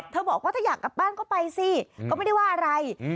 บอกว่าถ้าอยากกลับบ้านก็ไปสิก็ไม่ได้ว่าอะไร